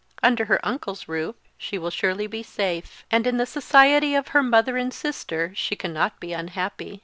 Under her uncle's roof she will surely be safe, and in the society of her mother and sister she cannot be unhappy.